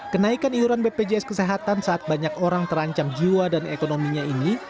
kenaikan iuran bpjs kesehatan saat banyak orang terancam jiwa dan ekonominya ini